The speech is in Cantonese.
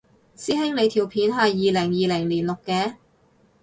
師兄你條片係二零二零年錄嘅？